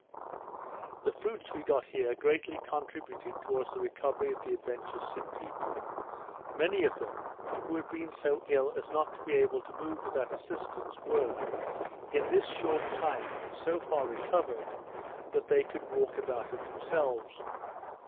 The fruits we got here greatly contributed towards the recovery of the Adventure's sick people; many of them, who had been so ill as not to be able to move without assistance, were, in this short time so far recovered, that they could walk about of themselves.